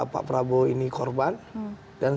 pak prabowo ini korban dan